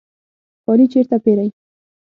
کالی چیرته پیرئ؟